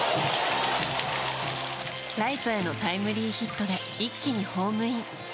ライトへのタイムリーヒットで一気にホームイン。